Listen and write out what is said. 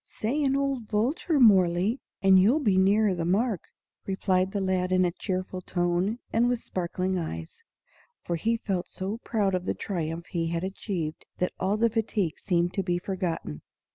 "Say an old vulture, Mohrle, and you'll be nearer the mark," replied the lad in a cheerful tone and with sparkling eyes; for he felt so proud of the triumph he had achieved that all fatigue seemed to be forgotten.